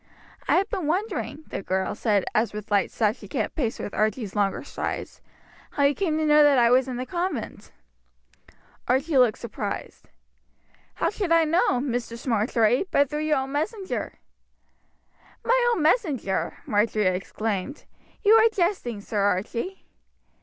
"I have been wondering," the girl said, as with light steps she kept pace with Archie's longer strides, "how you came to know that I was in the convent." Archie looked surprised. "How should I know, Mistress Marjory, but through your own messenger?" "My own messenger!" Marjory exclaimed. "You are jesting, Sir Archie."